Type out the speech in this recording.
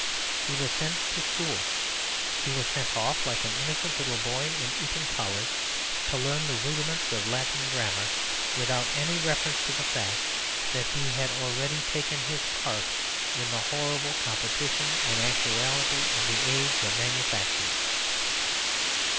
He was sent to school; he was sent off like an innocent little boy in Eton collars to learn the rudiments of Latin grammar, without any reference to the fact that he had already taken his part in the horrible competition and actuality of the age of manufactures.